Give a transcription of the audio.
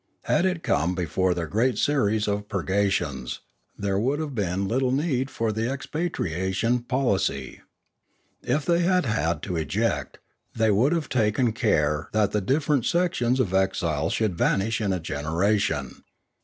Had it come before their great series of purgations, there would have been little need for the expatriation policy. If they had had to eject, they would have taken care that the different sections of exiles should vanish in a generation.